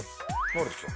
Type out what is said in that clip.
慣れてきた。